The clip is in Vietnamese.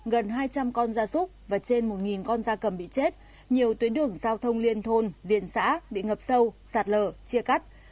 gần hai trăm linh con da súc và trên một con da cầm bị chết nhiều tuyến đường giao thông liên thôn liên xã bị ngập sâu sạt lở chia cắt